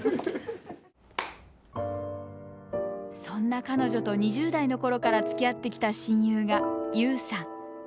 そんな彼女と２０代の頃からつきあってきた親友がＹＯＵさん。